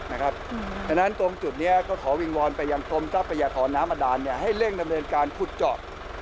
ฉะนั้นตรงจุดนี้ก็ขอวิงวอนไปยังสมซักประหยาขอน้ำอดานให้เร่งทำเองการพุทจก